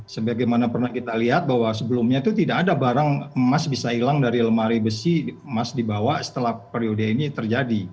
sebagaimana pernah kita lihat bahwa sebelumnya itu tidak ada barang emas bisa hilang dari lemari besi emas dibawa setelah periode ini terjadi